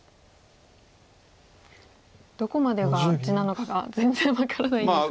どこまでが地なのかが全然分からないんですが。